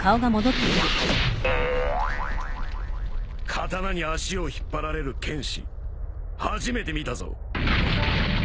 刀に足を引っ張られる剣士初めて見たぞ。